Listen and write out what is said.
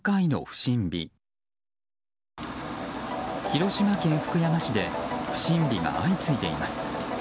広島県福山市で不審火が相次いでいます。